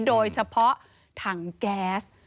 โดยเฉพาะถังแก๊ส